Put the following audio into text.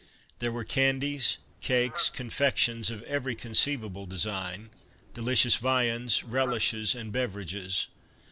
There Were candies, cakes, confections of every conceivable design ; delicious viands, relishes and beverages.